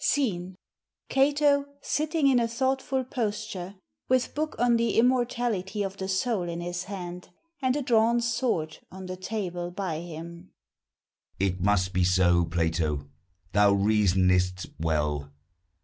SCENE. CATO, _sitting in a thoughtful posture, with book on the Immortality of the Soul in his hand, and a drawn sword on the table by him_. It must be so Plato, thou reasonest well!